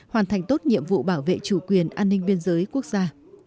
hoàn thành tốt nhiệm vụ bảo vệ chủ quyền an ninh biên giới quốc gia